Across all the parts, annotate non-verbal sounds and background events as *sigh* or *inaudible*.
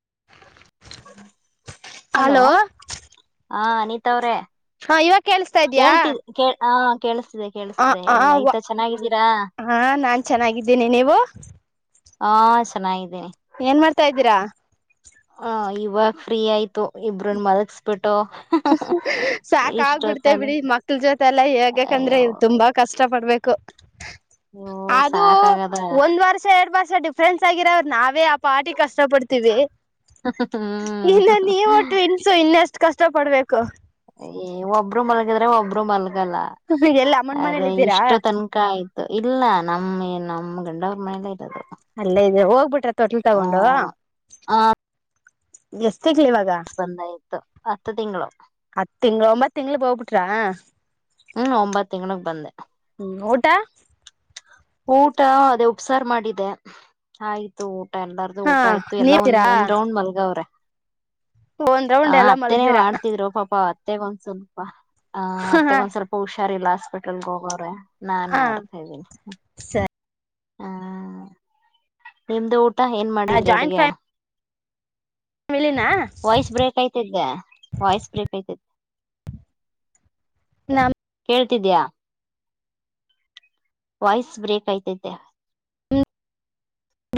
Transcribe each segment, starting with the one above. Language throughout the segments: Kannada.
*inaudible* ಹಲೋ. ಹಾ ಅನಿತಾವ್ರೆ. ಹಾ ಇವಾ. ಕೇಳಸ್ತಾ ಇದೀಯಾ? ಹಾ ಕೇಳಸ. ಹ ಆ ಹಾ ನಾನ ಚೆನ್ನಾಗಿದ್ದೀನಿ ನೀವು? ಹಾ ಚೆನ್ನಾಗಿದಿನಿ. ಏನ್ ಮಾಡ್ತಾ ಇದ್ದೀರಾ? ಹ ಇವಾಗ ಫ್ರೀ ಆಯ್ತು ಇಬ್ಬ್ರನ್ನೂ ಮಲಗಸ್ಬಿಟ್ಟು. ಸಾಕ ಆಗಬಿಡ್ತೇ ಇಷ್ಟೊತ್ತನ ಬಿಡಿ ಮಕ್ಳ ಜೊತೆ. ಎಲ್ಲಾ ಹೇಗಂದ್ರೆ ಅಯ್ಯೋ ತುಂಬಾ ಕಷ್ಟ ಪಡ್ಬೇಕು. ಕು. ಅಯ್ಯೋ ಅದು ಸಾಕಾಗದ ಒಂದ ವರ್ಷ ಎರಡ ವರ್ಷ ಡಿಫ್. ಫ್ರೆಂಡ್ಸ್ ಆಗಿರವರ ನಾವೇ ಆ ಪಾಟಿ ಕಷ್ಟ ಪಡ್ತೀವಿ. ಹ್ಮ್ ಇನ್ನ ನೀವು ಟ್ವಿನ್ಸ್ ಇನ್ನಷ್ಟು. ಇಷ್ಟಪಡ್ಬೇಕು ಏ ಒಬ್ಬರು ಮಲಗಿದ್ರೆ ಒಬ್ರು ಮಲ್ ಆಗಲ್ಲ ಎಲ್ಲ ಅಮ್ಮನ್ ಅದೇ ಮನೇಲಿ ಇದ್ದೀರಾ ಇಷ್ಟೋ ತನ್ಕ ಆಯ್ ಇಲ್ಲ ನಮ್ಮ್ ನಮ್ಮ್ ಗಂಡವ್ರ ಮನೆಯಲೆ ಅಲ್ಲೇ ಇದ್ ಹೋಗ್ಬಿಟ್ರ ತೋಟ್ಲ್ ಹ ತಗೊಂಡು ಎಸ್ ಬಂದ್ ಆಯ್ತು ಹತ್ತ್ ತಿಂಗಳು ತಿಂಗ್ಲ್ ಒಂಬತ್ ತಿಂಗ್ಲ್ ಹೋಗ್ಬಿಟ್ರಾ ಹ್ಮ್ ಒಂಬತ್ ತಿಂಗ್ಲ್ ಗ್ ಬಂದೆ ಟ ಊಟ ಅದೇ ಉಪ್ಸಾರ್ ಮಾಡಿದೆ ಆಯ್ತು ಊ ಊ ಎಲ್ಲಾರ್ದು ಹಾ ಊಟ ಆಯತು ಎಲ್ಲ ನೀತೀರಾ ಒಂದ್ಂದ್ ರೌಂಡ್ ಮಲ್ಗಾವ್ರೆ ಒಂದ್ ಹ ರೌಂಡ್ ಎಲ್ಲಾ ಅತ್ತೆ ಮಲಗ್ದಿರಾ ಮಾಡ್ತಿದ್ರು ಪಾಪ ಮೇಘ *unintelligible* ಒಂದು ಸ್ವಲ್ಪ ಹ ಅತ್ತೆಗೊಂದ್ ಸ್ವಲ್ಪ ಹುಷ್ ಹುಷಾರಿಲ್ಲ ಹಾಸ್ಪಿಟಲ್ಗೆ ಹೋಗೋರೆ ನಾನ್ ಹ ಮಾಡ್ತಾ ಇದ್ದೀನಿ ಸರಿ ಹಾ ನಿಮ್ದ್ ಉಟ್ ಟಾ ಏನ್ ಮಾಡಿದ್ರಿ ಜಾಯಿಂಟ್ ಅಡ್ಗೆ ಫ್ಯಾಮಿಲಿನಾ ವಾಯ್ಸ್ ಬ್ರೇಕ್ ಐತೈತೆ ವಾಯ್ಸ್ ಬ್ರೇಕ್ ಐತೈತೆ ನಮ್ ಹೇಳ್ತಿದೀಯಾ *unintelligible* ವಾಯ್ಸ್ ಬ್ರೇಕ್ ಐತೈತೆ ನಮ್ದು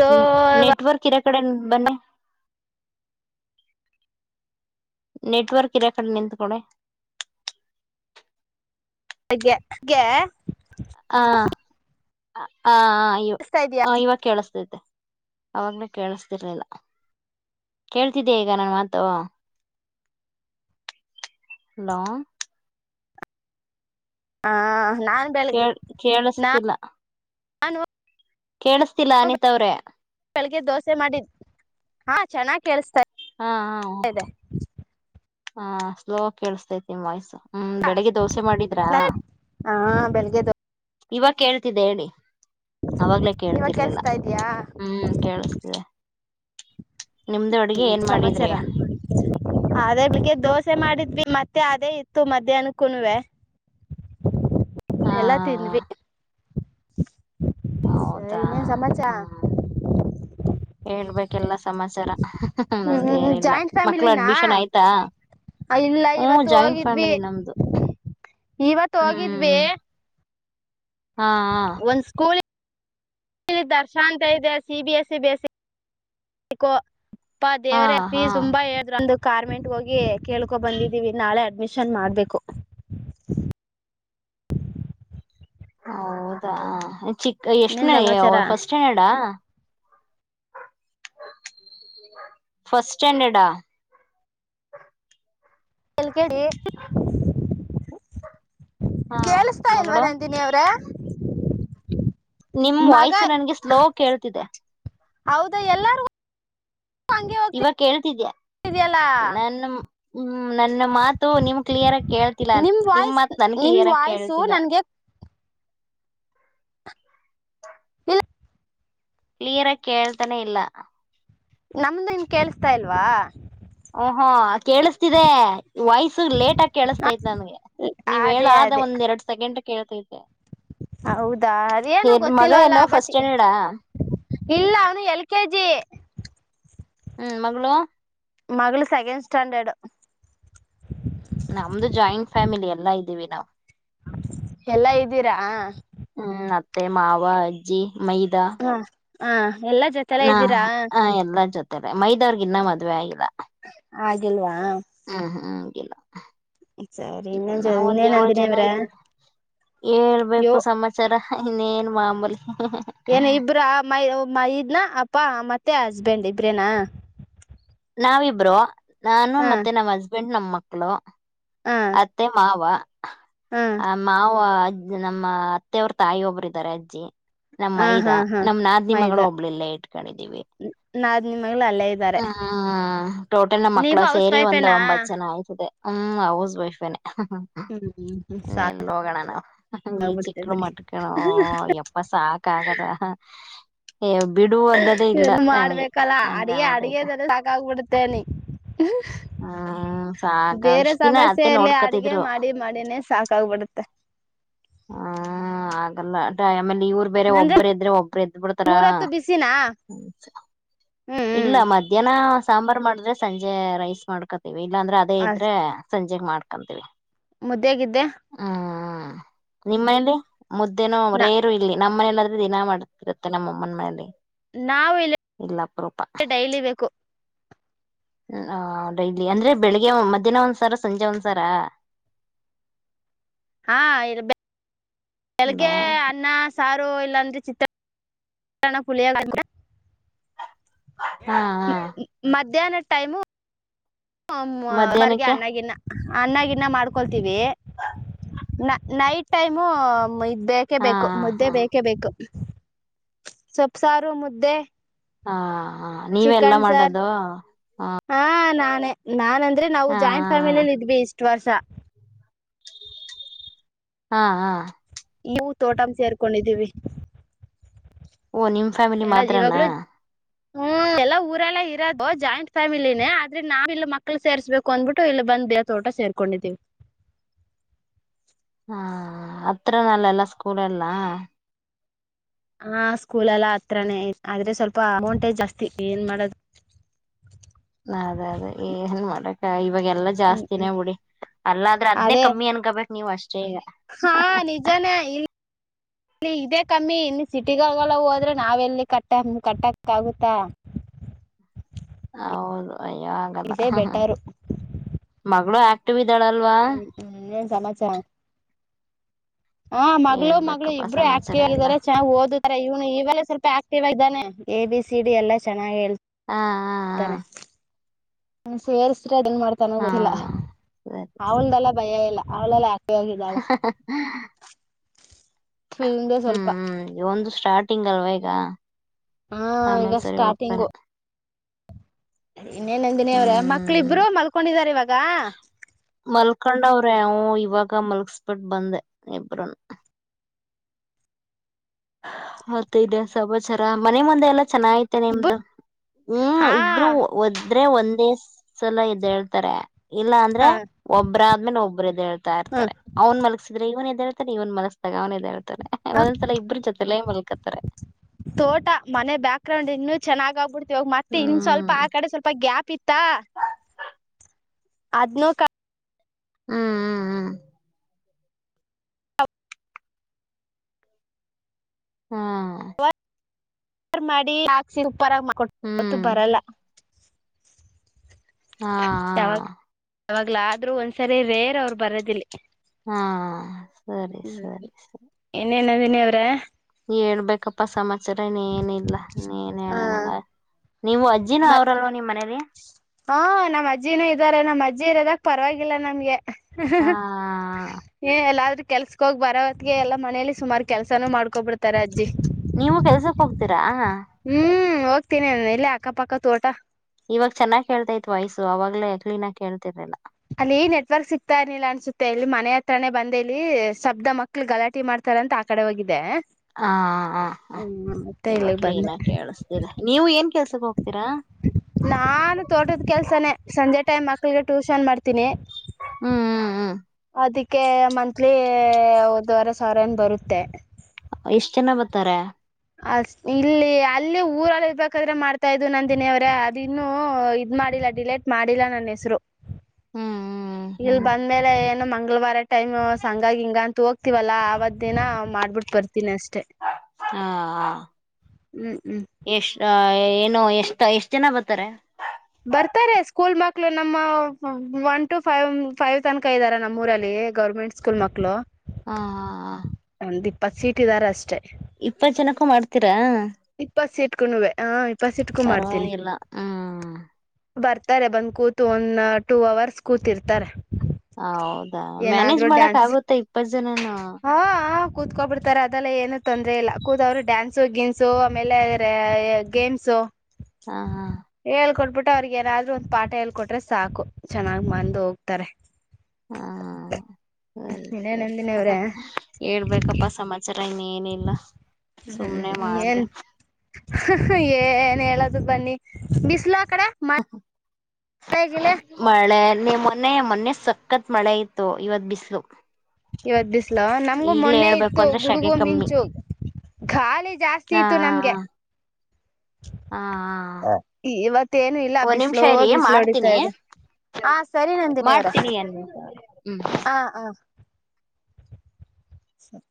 ಹು ನೆಟ್ವರ್ಕ್ ಇರೋಕ್ ಕಡೆ ಬನ್ನಿ ನೆಟ್ವರ್ಕ್ ಇರ ಕಡೆ ನಿಂತ್ ಕೋಳಿ ಹಾಗೆ ಹಾಗೆ *unintelligible* ಹ *inaudible* ಹ ಇ ಕೇಳಿಸ್ತಾ ಇದೀಯಾ ಇವಾಗ ಕೇಳಸ್ *unintelligible* ಅವಾಗ್ಲೇ ಕೇಳಸ್ತಿರ್ಲಿಲ್ಲ ಕೇಳ್ತಿದ್ದೆ ಈಗ ನನ್ ಮಾತು ಹಲೋ ಹ ಕೆಳ್ ಕೇಲ್ಸ್ತಿಲ್ಲ ನಾನು ಕೇಳ್ಸ್ತಿಲ್ಲ ಅನಿತ ಅವ್ರೆ ಬೆಳಿಗ್ಗೆ ದೋಸೆ ಮಾಡಿದ್ದ್ ಹಾ ಚೆನ್ನಾಗ್ ಕೇಳಸ್ತ್ ಹಾ ಹಾ ಹಾ ಸ್ಲೋ ಕೇಳಿಸ್ತೈತಿಮ ವಾಯ್ಸ ಹಾ ಬೆಳಿಗ್ಗೆ ದು ಇವ ಕೇಳ್ತಿದೆ ಹೇಳಿ ಅವಾಗ್ಲೇ ಇವಾಗ ಕೇಳ್ತಿರ್ಲಿಲ್ಲ ಕೇಳಿಸ್ತಾ ಇದೀಯಾ ಹ್ಮ್ ಕೇೇಳಿಸತಿದೆ ಹ್ಮ್ ಸಮಾಚಾರ ಮಾಡಿದ್ರಿ ಅದೇ ಬಿಗ್ಗೆ ದೋಸೆ ಮಾಡಿದ್ವಿ ಮತ್ತೆ ಮತ್ತೆ ಅದೇ ಇತ್ತು ಮಧ್ಯಾಹ್ನಕೂಣುವವೆ ಹಾ ಹ *unintelligible* ಹೌದಾ ಸರಿನೇ ಸಮಾಚಾರ ಹ್ಮ ಹೇಳ್ಬೇಕ ಎಲ್ಲ ಸಮಾಚಾರ ನಮ್ದು ಹ್ಮ್ ಏನಿಲ್ಲ ಜಾಯಿಂಟ್ ಮಕ್ಳು ಫ್ಯಾಮಿಲಿನಾ ಅಡ್ಮಿಷನ್ ಆಯ್ತಾ ಇಲ್ಲ ಹ್ಮ ಇವತ್ತು ಜಾಯಿಂಟ್ ಹೋಗಿದ್ವಿ ಫ್ಯಾಮಿಲಿ ನಮ್ದು ಇವತ್ತು ಹೋಗಿದ್ವಿ ಹ್ಮ್ ಹಾ ಹ ದರ್ಶಾಂತ ಇದೆ ಸಿಬಿಎಸ್ಸ ಬೇಸಿ ಬಿಕೋ ಅಪ್ಪಾ ಹಾ ದೇವ್ರೇ ಹಾ ಫೀ ಹಾ ತುಂಬಾ ಹೇಳಿದ್ರು ಅ ಗಾರ್ಮೆಂಟ್ ಹೋಗಿ ಕೇಳ್ಕೊ ಬಂದಿದ್ದೀವಿ ನಾಳೆ ಅಡ್ಮಿಷನ್ ಮಾಡ್ಬೇಕು ಹೌದಾ ಚಿ ಎಷ್ಟ್ ಇನ್ನೇನ್ ನ ಸಮಾಚಾರ ಫಸ್ಟ್ ಸ್ಟ್ಯಾಂಡರ್ಡ್ ಫಸ್ಟ್ ಸ್ಟಾಂಡರ್ಡಾ ಎಲ್ಲಿ ಕೇಳಿ ಹಾ ಕೇೇಳಿಸತಾ ಇಲ್ವಾ ಮಗಳು ನಂದಿನಿ ಅವ್ರ ನಿಮ್ ವಾಯ್ಸ ನನ್ಗೆ ಸ್ಲೋ ಕೇಳ್ತಿದೆ ಹೌದಾ ಎಲ್ಲಾರು ಇವಾಗ ಕೇಳ್ತಿದ್ಯಾ ನಾನ ಹ್ಮ್ ಹ್ಮ ನನ್ನ ಮಾತು ನಿಮ್ ಕ್ಲಿಯರ್ ಆಗಿ ಕೇಳ್ತಿಲ್ಲ ನಿಮ್ ವಾಯ್ಸ್ ಮಾತ್ ನನ್ ನಿಮ್ ಕ್ಲಿಯರ್ ಆಗ ವಾಯ್ಸು ಕೇಳ್ತಿಲ್ಲ ನನ್ಗೆ ಇಲ್ಲ ಕ್ಲಿಯರ ಕೇಳ್ತಾನೆ ಇಲ್ಲ ನಮ್ದು ಇನ್ ಕೇೇಳಸ್ತಾಲ್ವಾ ಹಾ ಕೇಳಿಸ್ತಿದೆ ವಯ್ಸು ಲೇಟ್ ಆಗಿ ಕೇಳಿಸಸ್ತಾತ್ ನನ್ಗೆ ನೀವ್ ಅದೇ ಹೇಳಾದ ಅದೇ ಒಂದ್ ಎರಡ್ ಸೆಕೆಂಡ್ ಕೇಳ್ತಿದ್ದೆ ಹೌದಾ ಅದೇನು ಮಗ ಗೊತ್ತಿಲ್ವಲ್ಲ ಏನೋ ಫಸ್ಟ್ ಬಟ್ ಸ್ಟ್ಯಾಂಡರ್ಡಾ ಇಲ್ಲ ಅವನು ಎಲ್ ಕೆಜಿ ಹ್ಮ್ ಮಗಳು ಮಗಲು ಸೆಕೆಂಡ್ ಸ್ಟಾಂಡರ್ಡ್ ನಮ್ದು ಜಾಯಿಂಟ್ ಫ್ಯಾಮಿಲಿ ಎಲ್ಲಾ ಇದ್ದೀವಿ ನಾವು ಎಲ್ಲಾ ಇದ್ದೀರಾ. ತ್ತೆ ಮಾವಾ ಅಜ್ಜಿ. ಮೈದಾ. ಆ. ಎಲ್ಲಾ ಜೊತೆಲೆ ಇದ್ದೀರಾ. ಮೈದಾವರ್ಗೆ ಇನ್ನ ಮದ್ವೆ ಆಗಿಲ್ಲಾ. ಆಗಿಲ್ವಾ. ಹ ಹ. ಇಲ್ಲಾ. ಸರಿ ಇನ್ನೇನ್ ಜ ನಾವ ಒಂದ್ ಇನ್ನೇನ್ ಏಳ ನಂದಿನಿ ಜನ ಅವ್ರ ಇದ್ದೀವಿ ಯೋ ಹೇಳ್ಬೇಕು ಸಮಾಚಾರ. ಇನ್ನೇನ್ ಮಾಮೂಲಿ. ಏನ ಇಬ್ರ ಆ ಮೈ ಮೈದ್ನ ಅಪ್ಪಾ ಮತ್ತ. ಮತ್ತೆ ಹಸ್ಬೆಂಡ್ ಇಬ್ರೇನಾ. ನಾವಿಬ್ರೂ. ನಾನು ಹ ಮತ್ತೆ ನಮ್ಮ್ ಅಜ್. ಸ್ಬೆಂಡ್ ನಮ್ ಮಕ್ಳು. ಹ ಅತ್ತೆ ಮಾವಾ. ಹ ಆ ಮಾವ. ಅಜ್ಜ ನಮ್ಮ ಅತ್ತೆ ಅವ್ರ ತಾಯಿ ಒಬ್ಬರಿದಾರೆ ಅಜ್ಜಿ. ನಮ್ ಹ ಮೈದ ಹಾ ಹಾ ನಮ್ ನಾದನಿ ಮಗಳ ಮೈದ ಒಬ್ಳ ಇಲ್ಲೆ ಇಟ್ಕೊಂಡಿದೀವಿ ನಾದ್ ನಿಮಗ್ಲು ಅಲ್ಲೇ ಇದ್ದಾರೆ ಹ್ಮ ಟೋಟಲ್ ನಮ್ಮ ಮಕ್ಕಳ ನೀವು ಹೌಸ್ ಸೇರಿ ಒಂದ್ ವೈಫೇನಾ ಒಂಬತ್ ಜನ ಆಯ್ತದೆ. ಹ್ಮ್ ಹೌಸ್. ವೈಫೇನೆ. ಹ್ಮ್ ಎಲ್ಲೋ ಹೋಗೋನ ಈ ಸಾಕಾಗ್ಬಿಡ್ತೆ ಚಿಕ್ಲು ಬಿಡಿ ಮಟ್ಕಣ ಎಪ್ಪ ಸಾಕ್ ಆಗದಾ. ಇದೆಲ್ಲ ಮಾಡ್ಬೇಕಲ್ಲಾ ಹಂಗ ಅಡಗೆ ಆಗ್ಬಿಟ್ಟೈತೆ ಅಡಗೆಲ್ಲ ಸಾಕಾಬಿಡ. ನಿ ಹ್ಮ್ *inaudible* ಸಾಕ ಬೇರೆ ಇಷ್ಟ್ ದಿನ ಅತ್ತೆ ಸಮಸ್ಯೆಯಲ್ಲಿ ಅಡಿಗೆ ನೋಡ್ಕತಿದ್ರು ಮಾಡಿ ಮಾಡಿನೇ ಸಾಕಾಗ್ಬಿಡುತ್ತೆ. ಹ್ಮ ಆಗಲ್ಲ ಟ. ಆಮೇಲೆ ಇವರು ಬೇರೆ ಅಂದ್ರೆ ಒಬ್ಬರೆದ್ರೆ ಒಬ್ರು ಎದ್ಬ ಬಿಡ್ತಾರಾ. ಮೂರೊತ್ತು ಬಿಸಿನಾ ಹೌ *unintelligible* ಹ್ಮ್ ಇಲ್ಲಾ ಹ್ಮ್ ಮಧ್ಯಾಹ್ನ ಸಾಂಬಾರ್ ಮಾಡಿದ್ರೆ ಸಂಜೆ ರೈಸ್ ಮಾಡ್ಕತ್ತ. ಇಲ್ಲಾಂದ್ರೆ ಅದೇ ಇದ್ರೆ. ಸಂಜೆಗೆ ಮಾಡ್ಕಂತಿವ್. ಮುದ್ದೆಗಿದ್ದೆ. ಹ ನಿಮ್ಮಲ್ಲಿ ಮುದ್ದೇನು ನ ರೇರು ಇಲ್ಲಿ ನಮ್ಮನೇಲ್ಲಾದ್ರೆ ದಿನಾ ಮಾಡ್ತಿರುತ್ತೆ ನಮ್ಮಮ್ಮನ ಮನಲಿ ನಾವು ಇಲೆ ಡೈಲಿ ಬೇಕು ಹೂ ಆ ಡೈಲಿ ಅಂದ್ರೆ ಬೆಳಿಗ್ಗೆ ಮಧ್ಯಾಹ್ನ ಒಂದ್ಸರ ಸಂಜೆ ಒಂದ್ಸರ ಹಾ ಇಲ್ಬೇ ಒಂದು ಕೆಳಗೆ ಅನ್ನ ಸಾರು ರು ಇಲ್ಲ ಅಂದ್ರೆ ಚಿತ್ರ ನ್ನ ಪುಳಿಯೋಗ್ರೆ ಹಾ ಹಾ ಮ್ಮ್ ಮ್ಮ್ ಮಧ್ಯಾಹ್ನ ಟೈಮು ಹ ಮೂ ಮಧ್ಯಾಹ್ನಕ್ಕೆ ಅನ್ನಗಿನ್ನ ಅನ್ನಾಗಿನ್ನ ಮಾಡ್ಕೊಳ್ತೀವಿ ನ ನೈಟ್ ಟೈಮು ಮ್ಮ್ ಇದ್ ಬೇಕೇ ಹಾ ಬೇಕು ಮುದ್ದೆ ಹಾ ಬೇಕೇ ಬೇಕು ಸೋಪ್ ಸಾರು ಮುದ್ದೆ ಹಾ ಹಾ ನೀವೆ ಎಲ್ಲ ಚಿಕನ್ ಮಾಡದು ಹಾ ನೆ ನಾನೊಂತ್ ತ್ರಿ ನಾವು ಜಾಯಿಂಟ್ ಫಾಮಿಲಿಲ್ ಇದ್ವಿ ಇಷ್ಟ್ ಇಷ್ಟುವರ್ಷ ಹಾ ಹಾ ನೀವು ತೋಟಂ ಸೇರ್ಕೊಂಡಿದೀವಿ ಓ ನಿಮ್ ಫ್ಯಾಮಿಲಿ ಮಾತ್ರನಾ ಹಹೂ ಎಲ್ಲಾ ಊರೆಲ್ಲ ಇರೋದು ಜಾಯಿಂಟ್ ಫ್ಯಾಮಿಲಿನೇ ಆದ್ರೆ ನಾವ್ ಇಲ್ ಮಕ್ಳು ಸೇರ್ಸ್ಬೇಕು ಅಂದ್ಬಿಟ್ಟು ಇಲ್ಲಿ ಬಂದ್ ದೇ ತೋಟ ಸೇರ್ಕೊಂಡಿದ್ದೀವಿ ಹಾ ಹತ್ರ ನಾ ಅಲ್ಲೆಲ್ಲ ಸ್ಕೂಲ್ ಎಲ್ಲಾ ಹಾ ಸ್ಕೂಲ್ ಎಲ್ಲ ಹತ್ರಾನೇ ಆದ್ರೆ ಸ್ವಲ್ಪ ಅಮೌಂಟೇ ಜಾಸ್ತಿ ಏನ್ ಮಾಡೋದ್ ಅದೇ ಅದೇ ಏನ್ ಮಾಡಕ್ ಇವಾಗ್ ಯ ಎಲ್ಲ ಹ್ಮ್ ಜಾಸ್ತಿನೇ ಹ್ಮ್ ಬಿಡಿ ಅಲ್ಲ ಆದ್ರೆ ಅದ್ನೇ ಅದೇ ಕಮ್ಮಿ ಅನ್ಕಬೇಕ್ ನೀವ್ ಅಷ್ಟೇ ಈಗ ಹಾ ನಿಜಾನೇ ಇಲ್ ಲ್ಲಿ ಇದೇ ಕಮ್ಮಿ ಇನ್ನು ಸಿಟಿಗಳ್ಗೆಲ್ಲ ಹೋದ್ರೆ ನಾವೆಲ್ಲಿ ಕಟ್ಟ ಕಟ್ಟಕ್ ಆಗುತ್ತ ಹೌದು ಅಯ್ಯೊ ಆಗಲ್ಲ ಹ್ಹ ಹ್ಹ ಬೆಟರು ಮಗ್ಳು ಆಕ್ ಹೂ ಹೂ ಏನ್ ಸಮಾಚಾರ ಹಾ ಮಗಳು ಮಗಳು ಹೇಳ್ಬೇಕಪ್ಪಾ ಇಬ್ರು ಸಮಾಚಾರ ಆಕ್ಟಿವ್ ಅಲ್ ಎಲ್ಲ ಇದಾರೆ ಚೆನಾಗ್ ಓದುತಾರೆ ಇವ್ನು ಇವಲ್ಲೇ ಸ್ವಲ್ಪ ಆಕ್ಟಿವ್ ಆಗ್ ಇದಾನೆ ಎ ಬಿ ಸಿ ಡಿ ಎಲ್ಲ ಚೆನಾಗಿ ಹೇಳ್ ಹಾ ಹಾ ಹಾ ತನೆ ನೀವ್ ಸೇರ್ಸ್ *unintelligible* ಮಾಡ್ತಾನೋ ಹಾ ಗೊತ್ತಿಲ್ಲ ಅವ್ನ್ದೆಲ್ಲ ಭಯ ಇಲ್ಲ ಅವಳಲ್ಲಾ ಹ ಹಮ್ದೇ ಸ್ವಲ್ಪ ಒಂದು ಸ್ಟಾರ್ಟಿಂಗ್ ಅಲ್ವೇಗ ಹಾ ಈಗ ಸ್ಟಾರ್ಟಿಂಗು ಇನ್ನೇನಂದಿನಿ ಅವವ್ರ ಹ್ಮ್ ಮಕ್ಳಿಬ್ರು ಮಲ್ಕೊಂಡಿದಾರ ಇವಾಗ ಹಕೊಂಡವ್ರೆ ಅವ ಇವಾಗ ಮಲ್ಗಸ್ಬಿಟ್ಟ ಬಂದೆ ಇಬ್ರನು ಮತ್ತ ಇದದೆ ಸಮಾಚಾರ ಮನೆ ಮುಂದೆ ಎಲ್ಲ ಚೆನ್ನಾಗತೆೇನೆ ನಿಮ್ದು ಇಬ್ಬರು ಹ್ಮ್ ಹಾ ಇಬರು ಒದ ಆದ್ರೆ ಒಂದೇ ಸಲ ಇದ್ ಹೇಳ್ತಾರೆ ಇಲ್ಲಾ ಹ ಅಂದ್ರೆ ಒಬ್ಬ್ರಾದ್ಮೇಲೆ ಒಬ್ಬರು ಇದ್ ಹೇಳ್ತಾ ಹ್ಮ ಇರ್ತಾರೆ ಅವನ್ ಮಲಗಸಿದ್ರೆ ಇವನ್ ಇದ ಇವ ಮನಸ್ತಗಾವ ಆವಾ ಇತದೆ ಒಂದ್ಸಲ ಇಬ್ಬ್ರ ತೋಟ ಮನೆ ಬ್ಯಾಕ್ ಗ್ರೌಂಡ್ ಇನ್ನುೂ ಚೆನ್ನ *unintelligible* ಗ ಮತ್ತೆ ಇನ್ ಸ್ವಲ್ಪ ಹ್ಮ್ ಆ ಕಡೆ ಸ್ವಲ್ಪ ಗ್ಯಾಪ್ ಪಿತಾ ಅದ್ನು ಕ ಹ್ಮ್ ಹ್ಮ್ ಹ್ಮ್ ಹಾ ಮಾಡಿ ಹಾಕ್ಸ ಪರ ಕೊಟ್ಟತ್ತು ಹ್ಮ್ ಬರಲ್ಲ ಹಾ ಹ ಅವಾಗ್ಲ ಆದ್ರೂ ಒಂದ್ಸರಿ ರೇರ್ ಅವರು ಬರೋದಿಲ್ಲ ಹಾ ಸರಿ ಸರಿ ಸರಿ ಇನ್ನವರ ನೀ ಹೇಳ್ಬೇಕಪ್ಪಾ ಸಮಸ್ಯೆ ಸರನ ಏನ ಇಲ್ಲ ನೀ ನ್ ಹ ಹೇಳೋಣ ನೀವು ಅಜ್ಜ ಮತ್ ಹಾ ನಮ್ಮ್ ಅಜ್ಜಿನೂ ಇದ ನಮ್ಮ ಅಜ್ಜಿ ಇರೋದಕ್ ಪರವಾಗಿಲ್ಲ ನಮ್ಗೆ ಹಾ ಏ ಎಲ್ಲಾದ್ರ ಕೆಲ್ಸ ಹೋಗಿ ಬರೋತ್ತಗೆ ಎಲ್ಲ ಮನಲಿ ಸುಮಾರ ಕೆಲಸಾನು ಮಾಡ್ಕೊಬ ಬಿಡ್ತಾರೆ ಅದ್ ನೀವು ಕೆಲ್ಸಕ್ ಹೋಗ್ ತೀರ ಹ್ಮ್ ಹೋಗ್ತೀನಿ ಇಲ್ಲಿ ಅಕ್ಕಪಕ್ಕ ತೋಟ ಇವಾಗ ಚೆನ್ನಾಗ್ ಕೇಳ್ತೈತ್ ವಯ್ಸು ಅವವಾಗಲೇ ಕ್ಲೀನ್ ಆಗ್ ಕೇಳ್ತಿರ್ಲಿಲ್ಲ ಅಲ್ಲಿ ನೆಟ್ವರ್ಕ್ ಸಿಗ್ತಾ ಇರ್ನಿಲ್ಲ ಅನ್ಸುತ್ತೆ ಇಲ್ಲಿ ಮನೆ ಹತ್ರನೇ ಬಂದ ಇಲ್ಲಿ ಶಬ್ದ ಮಕ್ಳು ಗಲಾಟಿ ಮಾಡ್ತಾರಂತ ಆ ಕಡೆ ಹೋಗಿದೆ ಹಾ ಹ ಹ ಇವಾಗ ಇಲ್ಲಿಗ್ ಕ್ಲೀನ್ ಬಂದೆ ಆಗ ಕೇಳಿಸತಿದೆ ನೀವು ಏನ್ ಕೆ ನಾನು ತೋಟದ ಕೆಲ್ಸನನೆ ಸಂಜೆ ಟೈಮ್ ಮಕ್ಳಿಗೆ ಟ್ಯೂಷನ್ ಮಾಡ್ ತಿನಿ ಹ್ಮ್ ಹ್ಮ್ ಹ್ಮ್ ಅದಕ್ಕೆ ಮಂತ್ಲಿ ಒದುವರೆ ಸಾವಿರ ನ ಬರುತ್ತೆ ಎಷ್ಟ್ ಜನ ಬರ್ತಾರ ಅ ಇಲ್ಲಿ ಅಲ್ಲಿ ಊರಲ್ಲಿ ಇರ್ಬೇಕಾದ್ರೆ ಮಾಡ್ತಾ ಇದು ನನ್ ದಿನೇವ್ರೆ ಅದು ಇನ್ನುೂ ಇದ್ ಮಾಡಿಲ್ಲ ಡಿಲೇಟ್ ಮಾಡಿಲ್ಲಾ ನನ್ನ ಹೆಸರು ಹ್ಮ್ ಹ್ಮ್ ಇಲ್ ಹ್ಮ್ ಬಂದ್ಮೇಲೆ ಏನ ಮಂಗ್ ಮಂಗಳವಾರ ಟೈಮ್ ಸಂಂಗಾಗಿ ಹಿಂಗ ಅಂತ ಹೋಗ್ತಿವಲ್ಲಾ ಆವದೇನ ಮಾಡ್ಬಿಟ್ ಬರ್ತೀನಿ ಅಷ್ಟೇ ಹಾ ಹ್ಮ್ ಎಷ್ಟ ಎ ಏನು ಎಷ್ಟ ಎಷ್ಟ್ ಜನ ಬರ್ತಾರೆ ಬರ್ತಾರೆ ಸ್ಕೂಲ್ ಮಕ್ಳು ನಮ್ಮ ಒನ್ ಟು ಫೈವ್ ಫೈವ್ ತನಕ ಇದಾರೆ ನಮ್ಮೂಊರಲ್ಲಿ ಗೌರ್ಮೆಂಟ್ ಸ್ಕೂಲ್ ಮಕ್ಳು ಹಾ ಹಾ ಹ ಒಂದ್ ಇಪ್ಪತ್ ಸೀಟ್ ಇದಾರೆ ಅಷ್ಟೇ ಇಪ್ಪತ್ ಜನಕ್ಕೂ ಮಾಡ್ತೀರಾ ಇಪ್ಪತ್ ಸೀಟ್ಕೂನುವೆ ಹಾ ಇಪ್ಪತ್ ಸೀಟ್ಕೂ ಮಾಡ್ತೀನಿ ಪರವಾಗಿಲ್ಲ ಹ್ಮ್ ಬರ್ತಾರೆ ಬಂದ್ ಕೂತು ಒಂದು ಟೂ ಅವರ್ಸ್ ಕೂತಿರ್ತಾರೆ ಹೌದ್ ಏನಾದ್ರರು ಡ್ಯಾನ್ಸ್ ಜನನು ಹಾ ಕೂತ್ಕೋಬಿಡ್ತಾರೆ ಅದೆಲ್ಲ ಏನು ತಂದ ದ್ರೆಲ್ಲ ಕೂತವರು ಡ್ಯಾನ್ಸು ಗಿನ್ಸು ಆಮೇಲೆ ಅ ಗೇಮ್ಸು ಹಾ ಹಾ ಬಟ್ಟ ಅವ್ರಿಗೆ ಏನಾದ್ರು ಒಂದು ಪಾಠ ಎಲ್ಳ್ಕ ಕೊಟ್ರೆ ಸಾಕು ಚೆನ್ನಾಗ್ ಬಂದ ಹೋಗ್ತಾರೆ ಹಾ ಸರಿ ಇನ್ನೇ ಸರಿ ನಂದಿನಿ ಅವ್ರೆ ಹೇಳ್ಬೇಕಪ್ಪಾ ಸಮಾಚಾರ ಇನ್ನೇನಿಲ್ಲ ಸುಮ್ನೆ ಹ್ಮ್ ಏನ್ ಮಾಡ್ದ ಏನ್ ಹೇಳ ಬನ್ನಿ ಬಿಸಲ್ ಅಕಡೆ ಹ್ *inaudible* ಮಳೆ ನೀ ಮೊನೆಯ ಮೊನ್ನೆ ಸಖತ್ ಮಳೆ ಇತತ್ತು ಇವತ್ ಬಿಸ್ಲು ಇವತ್ ಬಿಸಲು ಲ ನಮ್ಗು ಮೊನ್ನೆ ಇತ್ತು ಅಂದ್ರೆ ಶೆಗೆ ಗುಡುಗು ಕಮ್ಮಿ ಮಿಂಚು ಖಾಲಿ ಜಾಸ್ತಿ ಹಾ ಇತ್ತು ನಮ್ಗೆ ಹಾ ಹಾ ಇವತ್ತೇಏನು ಇಲ್ಲ ಒಂದ್ ನಿಮಿಷ ಬಿಸಿ್ಲುೋ ಇರಿ ಬಿಸಿ್ಲು ಹೊಡಿತಾ ಮಾಡ್ತೀನಿ ಇದೆ ಹಾ ಸರಿ ನಂದಿನಿವ್ರ ಮಾಡ್ತೀನಿ ಅನ್ಸ ಹ್ಮ್ ಆ ಹ ಸ